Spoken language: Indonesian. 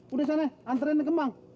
udah sane anterin nih kembang